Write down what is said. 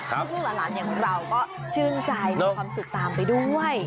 ลูกหลานอย่างเราก็ชื่นใจมีความสุขตามไปด้วย